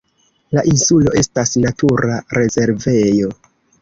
La insulo estas natura rezervejo.